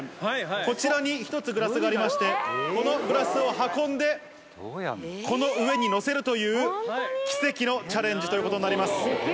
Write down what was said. こちらに１つグラスがありまして、このグラスを運んで、この上に載せるという奇跡のチャレンジということになります。